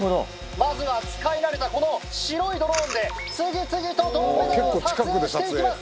まずは使い慣れたこの白いドローンで次々と銅メダルを撮影して行きます。